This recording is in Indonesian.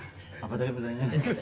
apa tadi pertanyaannya